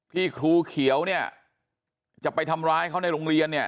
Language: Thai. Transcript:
ครูเขียวเนี่ยจะไปทำร้ายเขาในโรงเรียนเนี่ย